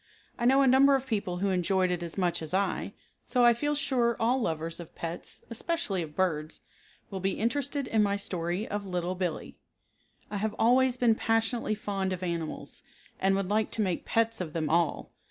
I know a number of people who enjoyed it as much as I, so I feel sure all lovers of pets, especially of birds, will be interested in my story of "Little Billee." I have always been passionately fond of animals and would like to make pets of them all.